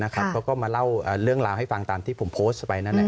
เขาก็มาเล่าเรื่องราวให้ฟังตามที่ผมโพสต์ไปนั้น